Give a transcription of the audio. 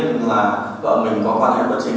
vợ mình có quan hệ vật chính với anh cao văn thắng